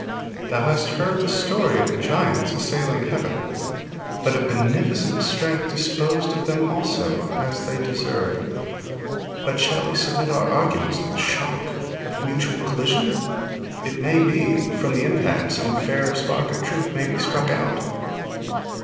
'Thou hast heard the story of the giants assailing heaven; but a beneficent strength disposed of them also, as they deserved. But shall we submit our arguments to the shock of mutual collision? it may be from the impact some fair spark of truth may be struck out.'